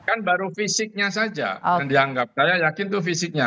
kan baru fisiknya saja yang dianggap saya yakin itu fisiknya